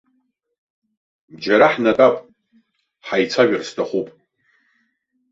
Џьара ҳнатәап, ҳаицәажәар сҭахуп.